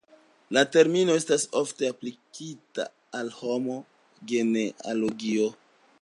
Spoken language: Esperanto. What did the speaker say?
La termino estas ofte aplikita al homa genealogio.